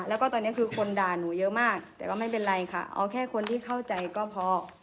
แล้วก็ตอนนี้คือคนด่าหนูเยอะมากแต่ก็ไม่เป็นไรค่ะเอาแค่คนที่เข้าใจก็พอ